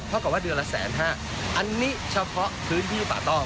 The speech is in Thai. เพราะว่าเดือนละ๑๕๐๐๐๐บาทอันนี้เฉพาะพื้นที่ประตอง